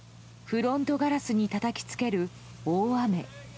フロントガラスにたたきつける大雨。